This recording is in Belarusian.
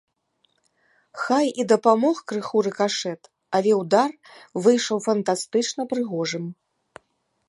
Хай і дапамог крыху рыкашэт, але ўдар выйшаў фантастычна прыгожым.